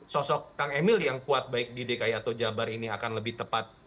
sosok kang emil yang kuat baik di dki atau jabar ini akan lebih tepat